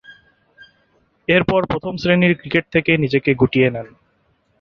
এরপর প্রথম-শ্রেণীর ক্রিকেট থেকে নিজেকে গুটিয়ে নেন।